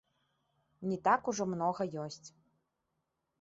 Не так ужо многа ёсць.